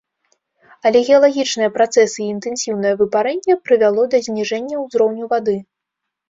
Але геалагічныя працэсы і інтэнсіўнае выпарэнне прывяло да зніжэння ўзроўню вады.